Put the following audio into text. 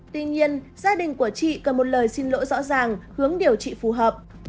tuy nhiên gia đình của chị cần một lời xin lỗi rõ ràng hướng điều trị phù hợp